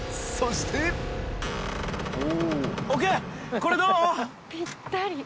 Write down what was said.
これどう？